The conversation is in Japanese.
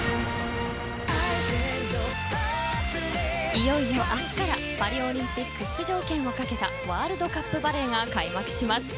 いよいよ明日からパリオリンピック出場権をかけたワールドカップバレーが開幕します。